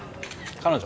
彼女？